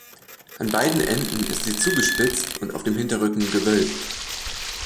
An beiden Enden ist sie zugespitzt und auf dem Hinterrücken gewölbt.